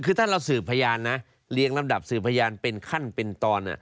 คือถ้าเราสืบพยานนะเรียงลำดับสืบพยานเป็นขั้นเป็นตอน